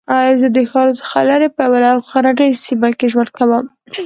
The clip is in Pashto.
زه د ښار څخه لرې په یوه غرنۍ سېمه کې ژوند کوم